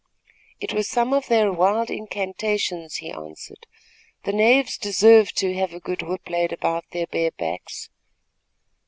"It was some of their wild incantations," he answered. "The knaves deserve to have a good whip laid about their bare backs."